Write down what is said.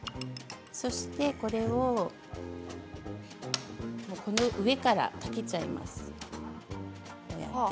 そしてこれをこの上からかけちゃいます。